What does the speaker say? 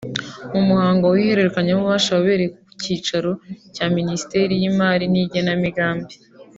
mu muhango w’ihererekanyabubasha wabereye ku cyicaro cya Ministeri y’Imari n’Igenamigambi